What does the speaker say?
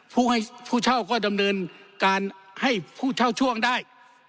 ผู้เช่าก็ดำเนินการให้ผู้เช่าช่วงได้